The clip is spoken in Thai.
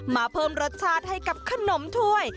เพิ่มรสชาติให้กับขนมถ้วย